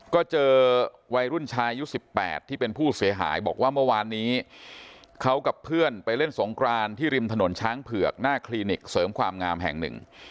ก็เจอวัยรุ่นชายุค๑๘ที่เป็นผู้เสียหายบอกว่าเมื่อวานนี้เขากับเพื่อนไปเล่นสงครานที่ริมถนนช้างเผือกหน้าคลินิกเสริมความงามแห่งหนึ่ง